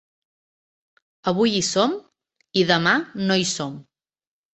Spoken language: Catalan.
Avui hi som, i demà no hi som